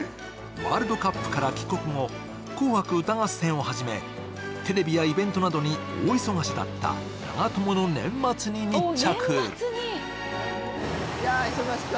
ワールドカップから帰国後「紅白歌合戦」をはじめ、テレビやイベントなどに大忙しだった長友の年末に密着。